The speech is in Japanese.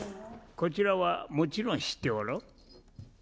こちらはもちろん知っておろう？